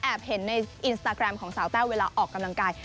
เห็นในอินสตาแกรมของสาวแต้วเวลาออกกำลังกาย